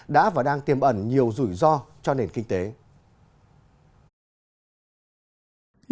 đã và đang tiềm ẩn nhiều doanh nghiệp